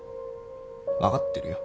分かってるよ。